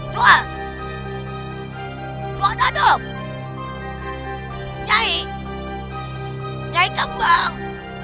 tua tua nadop nyai nyai kembang